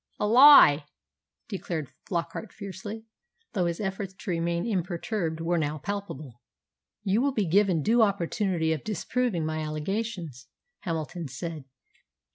"A lie!" declared Flockart fiercely, though his efforts to remain imperturbed were now palpable. "You will be given due opportunity of disproving my allegations," Hamilton said.